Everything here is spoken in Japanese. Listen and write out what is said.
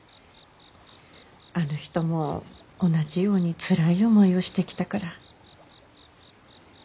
あの人も同じようにつらい思いをしてきたから。